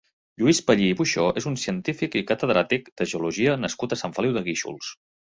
Lluís Pallí i Buixó és un científic i catedràtic de geologia nascut a Sant Feliu de Guíxols.